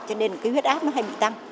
cho nên cái huyết áp nó hay bị tăng